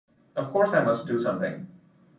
Of course I must do something.